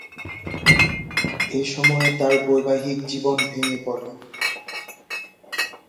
এসময়ে তার বৈবাহিক জীবন ভেঙ্গে পড়ে।